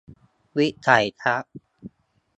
วิสัยทัศน์